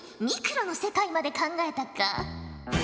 ミクロの世界まで考えたか。